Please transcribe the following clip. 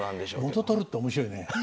元取るって面白いね。